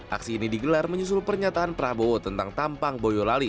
aksi ini digelar menyusul pernyataan prabowo tentang tampang boyolali